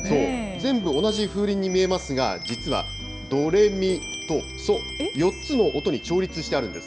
全部同じ風鈴に見えますが、実はドレミとソ、４つの音に調律してあるんです。